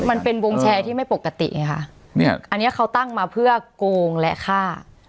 มันเป็นวงแชร์ที่ไม่ปกติไงค่ะเนี่ยอันเนี้ยเขาตั้งมาเพื่อโกงและฆ่า